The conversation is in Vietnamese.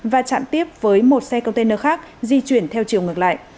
và chặn tiếp với một xe container khác di chuyển theo chiều ngược lại